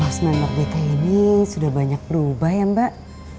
los member dk ini sudah banyak berubah ya mbak